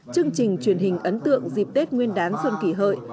chương trình truyền hình ấn tượng dịp tết nguyên đán xuân kỷ hợi